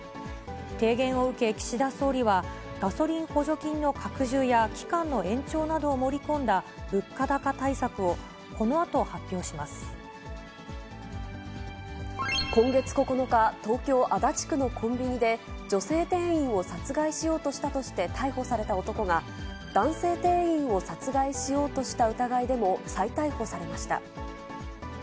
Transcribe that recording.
提言を受け、岸田総理は、ガソリン補助金の拡充や期間の延長などを盛り込んだ物価高対策を今月９日、東京・足立区のコンビニで女性店員を殺害しようとしたとして逮捕された男が、男性店員を殺害しようとした疑いでも再逮捕されました。